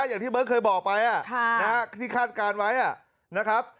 อย่างที่เบิ้ลเคยบอกไปอ่ะค่ะที่คาดการณ์ไว้อ่ะนะครับ